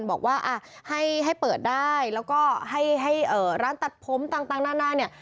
บอกว่าให้เปิดได้แล้วก็ให้ร้านตัดผมต่างนานาเนี่ย